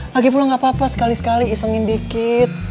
lagi pulang gak apa apa sekali sekali isengin dikit